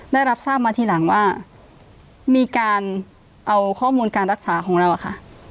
ได้รับทราบมาทีหลังว่ามีการเอาข้อมูลการรักษาของเราอะค่ะ